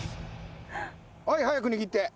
はい早く握って。